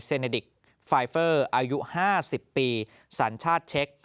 เนดิกไฟเฟอร์อายุ๕๐ปีสัญชาติเช็ค